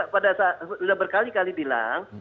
pada saat sudah berkali kali bilang